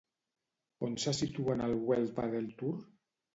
On se situa en el World Padel Tour?